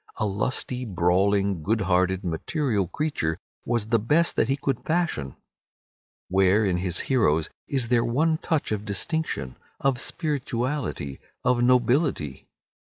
A lusty, brawling, good hearted, material creature was the best that he could fashion. Where, in his heroes, is there one touch of distinction, of spirituality, of nobility?